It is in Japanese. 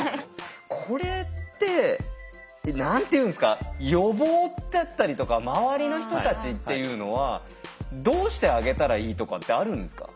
これって何て言うんですか予防ってあったりとか周りの人たちっていうのはどうしてあげたらいいとかってあるんですか？